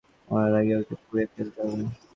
মরার আগে ওকে পুড়িয়ে ফেলতে হবে।